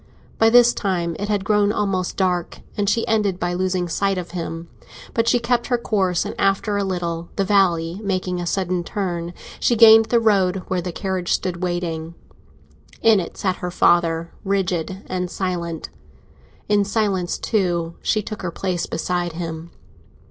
By this time it had grown almost dark, and she ended by losing sight of him. But she kept her course, and after a little, the valley making a sudden turn, she gained the road, where the carriage stood waiting. In it sat her father, rigid and silent; in silence, too, she took her place beside him.